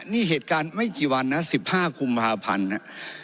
นี่เหตุการณ์ไม่กี่วันนะ๑๕กุมภาพันธ์นะ